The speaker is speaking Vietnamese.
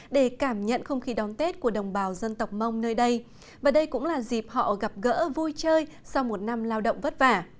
để cảm nhận không khí đón tết của đồng bào dân tộc mông nơi đây và đây cũng là dịp họ gặp gỡ vui chơi sau một năm lao động vất vả